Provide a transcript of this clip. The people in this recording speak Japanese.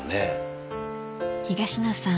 東野さん